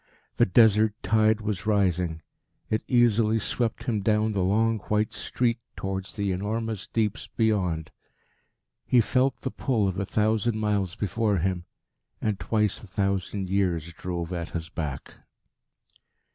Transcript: The desert tide was rising. It easily swept him down the long white street towards the enormous deeps beyond. He felt the pull of a thousand miles before him; and twice a thousand years drove at his back.